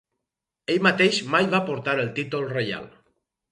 Ell mateix mai va portar el títol reial.